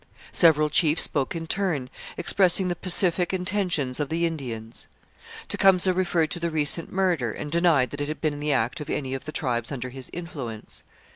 Several chiefs spoke in turn, expressing the pacific intentions of the Indians. Tecumseh referred to the recent murder, and denied that it had been the act of any of the tribes under his influence.